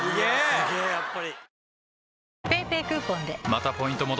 すげぇやっぱり。